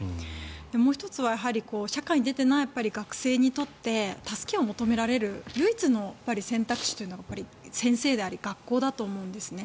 もう１つは社会に出ていない学生にとって助けを求められる唯一の選択肢というのが先生であり学校だと思うんですね。